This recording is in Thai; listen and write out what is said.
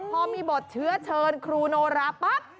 พอมีบทเชื้อเชิญครูโนราปั๊บ